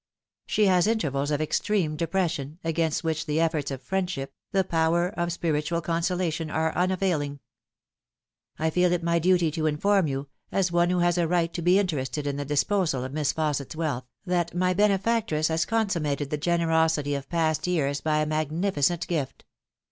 She has intervals of extreme depression, against which the efforts of friendship, the power of spiritual consolation, are unavailing. " I feel it my duty to inform you, as one who has a right to be interested in the disposal of Miss Fausset's wealth, that my benefactress has consummated the generosity of past years by a magnificent gift.